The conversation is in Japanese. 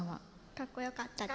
かっこよかったです。